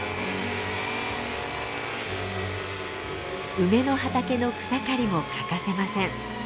梅の畑の草刈りも欠かせません。